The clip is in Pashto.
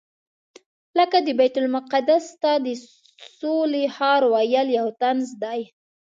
لکه د بیت المقدس ته د سولې ښار ویل یو طنز دی.